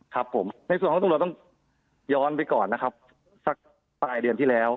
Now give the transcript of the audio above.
ครับผมในส่วนของตำรวจต้องย้อนไปก่อนนะครับสักปลายเดือนที่แล้ว